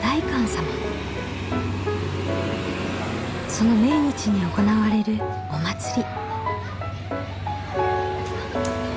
その命日に行われるお祭り。